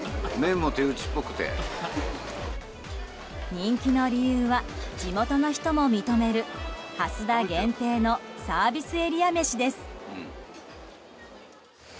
人気の理由は地元の人も認める蓮田限定のサービスエリア飯です。